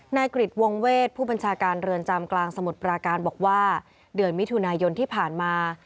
กริจวงเวทผู้บัญชาการเรือนจำกลางสมุทรปราการบอกว่าเดือนมิถุนายนที่ผ่านมา